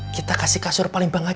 kita kasih kasur palembang aja beb